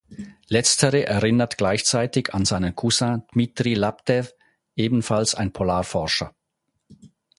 Letztere erinnert gleichzeitig an seinen Cousin Dmitri Laptew, ebenfalls ein Polarforscher.